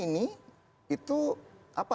ini itu apa